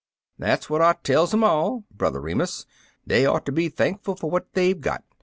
"That's what I tells 'em all, Brother Remus. They ought to be thankful for what they've got.